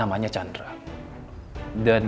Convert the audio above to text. agar berjaya bisa perlu lagi pergi ini